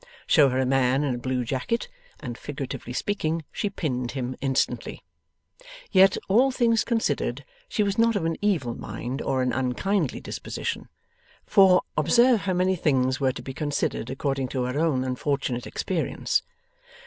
Show her a man in a blue jacket, and, figuratively speaking, she pinned him instantly. Yet, all things considered, she was not of an evil mind or an unkindly disposition. For, observe how many things were to be considered according to her own unfortunate experience.